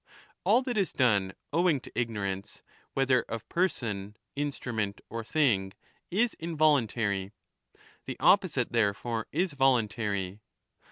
All that is done owing to ignorance, whether of person, instrument, or thing, is involuntary j_ the opposite therefore is voluntary.